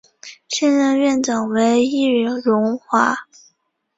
现任院长为易荣华。